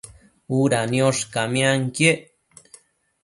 Uda niosh camianquiec